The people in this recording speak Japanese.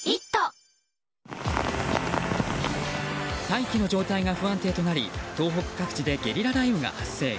大気の状態が不安定となり東北各地でゲリラ雷雨が発生。